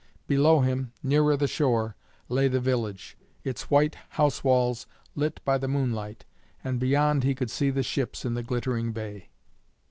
Below him, nearer the shore, lay the village, its white house walls lit by the moonlight, and beyond he could see the ships in the glittering bay.